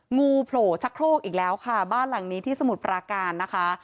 งูโผล่ชะโครกอีกแล้วค่ะบ้านหลังนี้ที่สมุทรปราการนะคะ